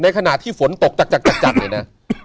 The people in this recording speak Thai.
ขณะที่ฝนตกจัดเนี่ยนะ